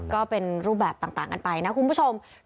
ก็เป็นรูปแบบต่างกันไปนะคุณผู้ชม